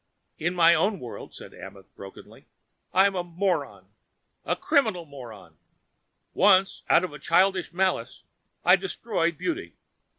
"In my own world," said Amenth brokenly, "I am a moron. A criminal moron. Once, out of a childish malice, I destroyed beauty.